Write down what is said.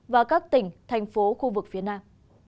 và các tỉnh thành phố khu vực phía nam